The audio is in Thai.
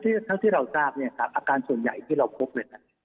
แต่ว่าจะถ้าที่เราทราบเนี่ยครับอาการส่วนใหญ่ที่เราพบเลยนะครับ